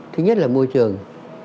thứ nhất là môi trường